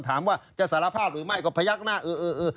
ถามว่าจะสารภาพหรือไม่ก็พยักหน้าเออเออ